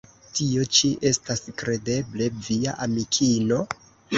Tio ĉi estas kredeble via amikino?